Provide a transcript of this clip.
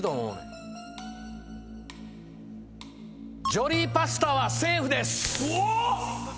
ジョリーパスタはセーフです。